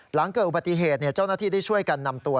หลังเกิดอุบัติเหตุเจ้าหน้าที่ได้ช่วยกันนำตัว